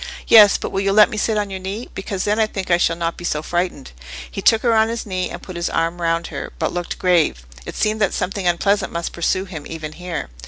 "Yes, but will you let me sit on your knee? because then I think I shall not be so frightened." He took her on his knee, and put his arm round her, but looked grave: it seemed that something unpleasant must pursue him even here.